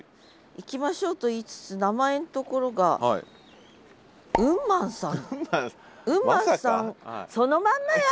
「いきましょう」と言いつつ名前んところがそのまんまやん。